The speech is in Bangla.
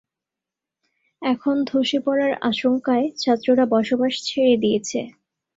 এখন ধ্বসে পড়ার আশংকায় ছাত্ররা বসবাস ছেড়ে দিয়েছে।